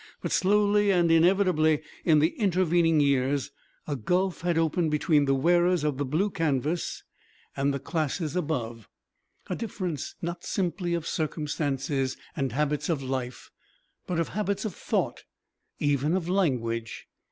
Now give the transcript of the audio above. But slowly and inevitably in the intervening years a gulf had opened between the wearers of the blue canvas and the classes above, a difference not simply of circumstances and habits of life, but of habits of thought even of language.